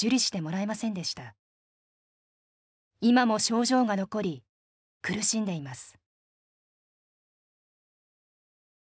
いまも症状が残り苦しんでいます」。